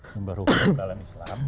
sumber hukum dalam islam